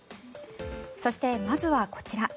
そして、まずはこちら。